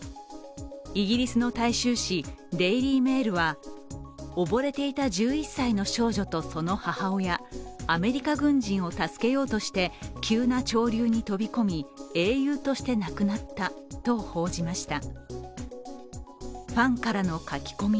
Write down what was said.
イギリスの大衆紙「デイリー・メール」は溺れていた１１歳の少女とその母親アメリカ軍人を助けようとして急な潮流に飛び込み、英雄として亡くなったと報じました。